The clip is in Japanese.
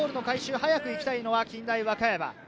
早く行きたいのは近大和歌山。